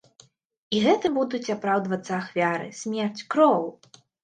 І гэтым будуць апраўдвацца ахвяры, смерць, кроў!